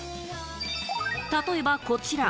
例えばこちら。